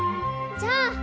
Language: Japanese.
じゃあ。